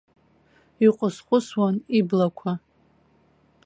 Иҟәысҟәысуан иблақәа.